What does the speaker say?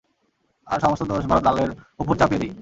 আর সমস্ত দোষ ভারত লালের উপর চাপিয়ে দেই।